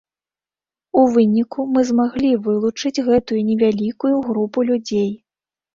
У выніку мы змаглі вылучыць гэтую невялікую групу людзей.